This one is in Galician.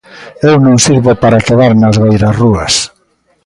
Eu non sirvo para quedar nas beirarrúas.